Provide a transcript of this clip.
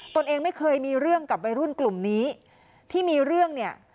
ตัวเองไม่เคยมีเรื่องกับวัยรุ่นกลุ่มนี้ที่มีเรื่องเนี่ย